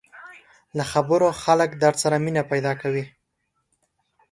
له خبرو خلک در سره مینه پیدا کوي